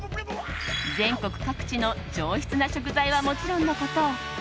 全国各地の上質な食材はもちろんのこと